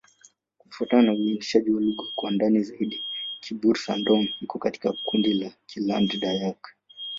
Kufuatana na uainishaji wa lugha kwa ndani zaidi, Kibukar-Sadong iko katika kundi la Kiland-Dayak.